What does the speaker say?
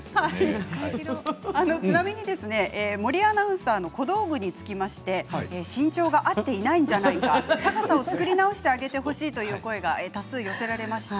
ちなみに森アナウンサーの小道具につきまして身長が合っていないんじゃないか高さを作り直してあげてほしいという声が多数寄せられました。